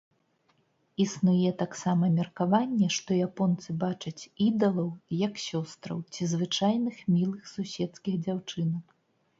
Існуе таксама меркаванне, што японцы бачаць ідалаў як сёстраў ці звычайных мілых суседскіх дзяўчынак.